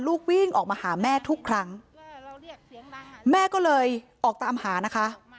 ลูกวิ่งออกมาหาแม่ทุกครั้งแม่ก็เลยออกตามหานะคะ